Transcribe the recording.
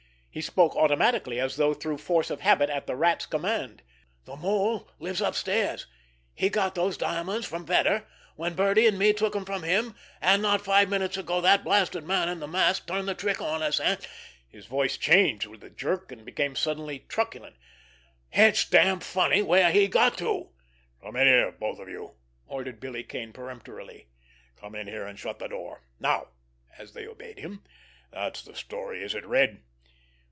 He spoke automatically, as though through force of habit at the Rat's command. "The Mole lives upstairs. He got those diamonds from Vetter; then Birdie and me took 'em from him, and not five minutes ago that blasted man in the mask turned the trick on us, and"—his voice changed with a jerk, and became suddenly truculent—"it's damned funny where he got to!" "Come in here, both of you!" ordered Billy Kane peremptorily. "Come in here, and shut that door! Now"—as they obeyed him—"that's the story, is it, Red?